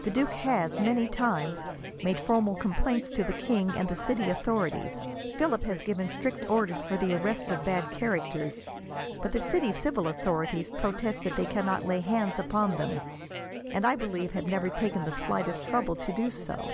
The duke has, many times, made formal complaints to the king and the city authorities. Philip has given strict orders for the arrest of bad characters, but the city civil authorities protest that they cannot lay hands upon them, and I believe have never taken the slightest trouble to do so."